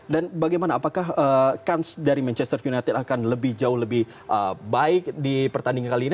dan bagaimana apakah kans dari manchester united akan lebih jauh lebih baik di pertandingan kali ini